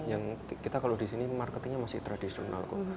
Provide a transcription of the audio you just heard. yang kita kalau di sini marketingnya masih tradisional kok